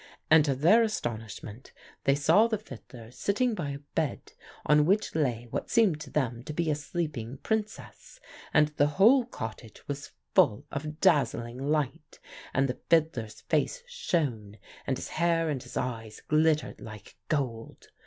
And to their astonishment they saw the fiddler sitting by a bed on which lay what seemed to them to be a sleeping princess; and the whole cottage was full of dazzling light, and the fiddler's face shone, and his hair and his eyes glittered like gold.